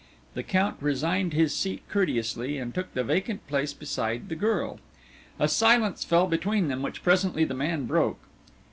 The Count resigned his seat courteously, and took the vacant place beside the girl. A silence fell between them, which presently the man broke.